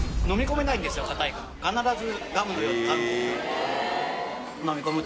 必ず。